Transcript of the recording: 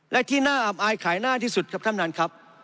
และที่น่าอับอายขายหน้าที่สุดครับท่านท่านครับ